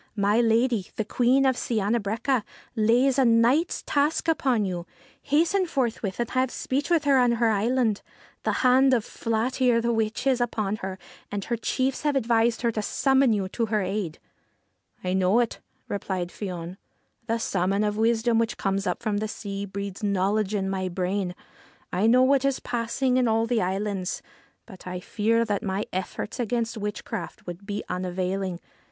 My lady, the Queen of Sciana Breaca, lays a knight's task upon you. Hasten forthwith, and have speech with her on her island. The hand of Flat Ear the Witch is upon her, and her chiefs have advised her to summon you to her aid.' 74 QUEEN OF THE MANY COLOURED BEDCHAMBER ' I know it/ replied Fion. ' The Salmon of Wisdom, which comes up from the sea, breeds knowledge in my brain. I know what is passing in all the islands, but I fear that my efforts against witchcraft would be unavailing.